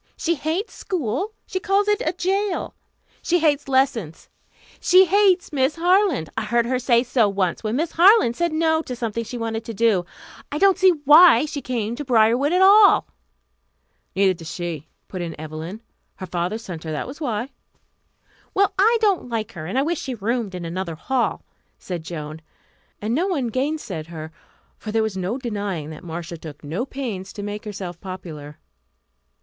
She hates school. She calls it a jail. She hates lessons. She hates Miss Harland. I heard her say so once, when Miss Harland said no to something she wanted to do. I don't see why she came to Briarwood at all." "Neither does she," put in Evelyn. "Her father sent her, that was why." "Well, I don't like her, and I wish she roomed in another hall," said Joan; and no one gainsaid her, for there was no denying that Marcia took no pains to make herself popular.